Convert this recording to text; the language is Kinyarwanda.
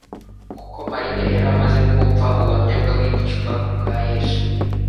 Kuko Mariya yari amaze kumva ubuhamya bw’abigishwa ku bya Yesu